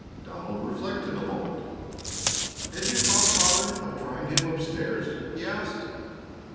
Donald reflected a moment. "Had you thought, father, of trying him up stairs?" he asked.